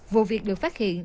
vụ việc được phát hiện